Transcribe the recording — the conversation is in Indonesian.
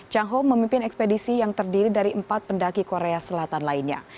changho memimpin ekspedisi yang terdiri dari empat pendaki korea selatan lainnya